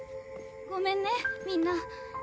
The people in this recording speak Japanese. ごめんねみんな。